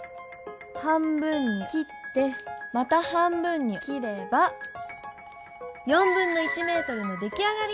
半分に切ってまた半分に切れば1/4メートルのできあがり！